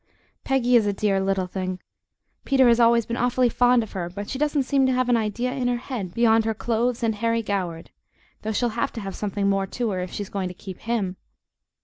Peggy is a dear little thing. Peter has always been awfully fond of her, but she doesn't seem to have an idea in her head beyond her clothes and Harry Goward, though she'll HAVE to have something more to her if she's going to keep HIM.